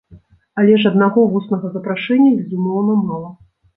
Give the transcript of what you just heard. Але ж аднаго вуснага запрашэння, безумоўна, мала.